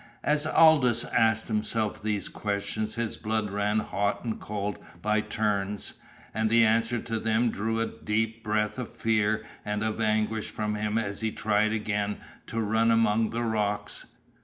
As Aldous asked himself these questions his blood ran hot and cold by turns. And the answer to them drew a deep breath of fear and of anguish from him as he tried again to run among the rocks.